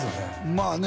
まあね